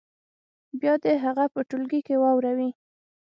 بیا دې هغه په ټولګي کې واوروي.